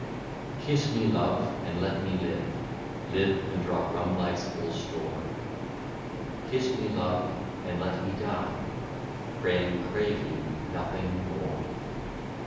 Kiss me, love, and let me live. Live and draw from love*s full store ; Kiss me, love, and let me die, Praying, craving, nothing more.